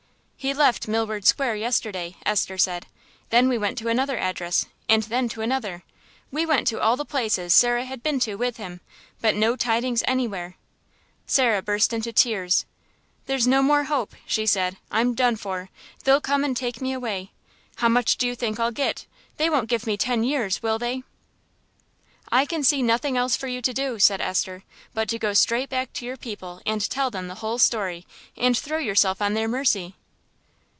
"He left Milward Square yesterday," Esther said. "Then we went to another address, and then to another; we went to all the places Sarah had been to with him, but no tidings anywhere." Sarah burst into tears. "There's no more hope," she said. "I'm done for; they'll come and take me away. How much do you think I'll get? They won't give me ten years, will they?" "I can see nothing else for you to do," said Esther, "but to go straight back to your people and tell them the whole story, and throw yourself on their mercy."